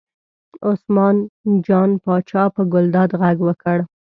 عثمان جان پاچا په ګلداد غږ وکړ.